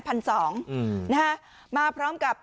พันสองนะฮะมาพร้อมกับ